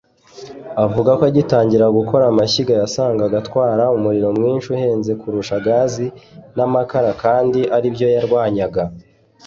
Avuga ko agitangira gukora amashyiga yasangaga atwara umuriro mwinshi uhenze kurusha Gazi n’amakara kandi aribyo yarwanyaga